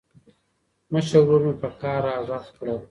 مشر ورور مې په قهر راغږ کړ.